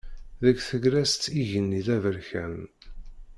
Deg tegrest igenni d aberkan.